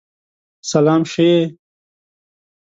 سلام شه یی!